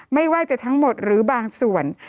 ไม่ว่าจะทั้งหมดหรือบางส่วน